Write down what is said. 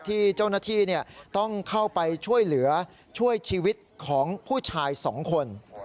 ที่เจ้าหน้าที่ต้องเข้าไปช่วยเหลือช่วยชีวิตของผู้ชายสองคน